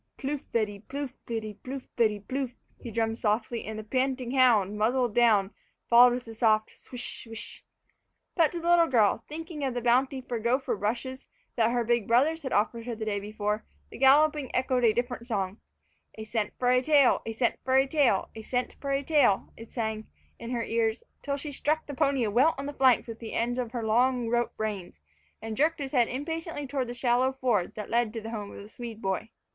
Pluff et y pluff, pluff et y pluff, pluff et y pluff, he drummed softly, and the panting hound, muzzle down, followed with a soft swish, swish. But to the little girl, thinking of the bounty for gopher brushes that her big brothers had offered her the day before, the galloping echoed a different song: A cent for a tail, a cent for a tail, a cent for a tail, it sang in her ears, till she struck the pony a welt on the flanks with the ends of her long rope reins, and jerked his head impatiently toward the shallow ford that led to the home of the Swede boy.